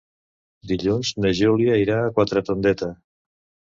Dilluns na Júlia irà a Quatretondeta.